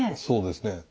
そうですね。